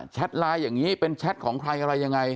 ไลน์อย่างนี้เป็นแชทของใครอะไรยังไง